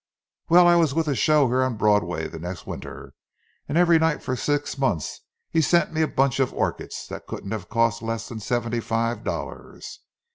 "Well, I was with a show here on Broadway the next winter; and every night for six months he sent me a bunch of orchids that couldn't have cost less than seventy five dollars!